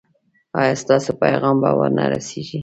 ایا ستاسو پیغام به و نه رسیږي؟